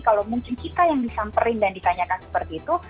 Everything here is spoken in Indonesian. kalau mungkin kita yang disamperin dan ditanyakan seperti itu